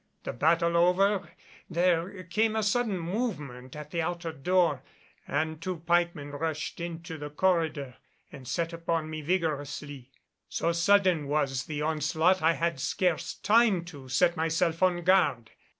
The battle over there came a sudden movement at the outer door and two pikemen rushed into the corridor and set upon me vigorously. So sudden was the onslaught I had scarce time to set myself on guard.